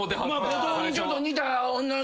後藤にちょっと似た女の人。